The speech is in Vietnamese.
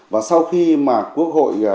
và sau khi mà quốc hội